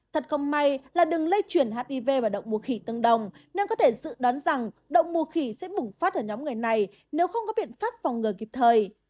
thật không may là đường lây chuyển hiv và động mùa khỉ tương đồng nên có thể dự đoán rằng đậu mùa khỉ sẽ bùng phát ở nhóm người này nếu không có biện pháp phòng ngừa kịp thời